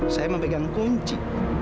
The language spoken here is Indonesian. saya memegang kunci